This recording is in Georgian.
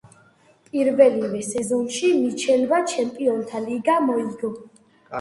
პირველივე სეზონში მიჩელმა ჩემპიონთა ლიგა მოიგო.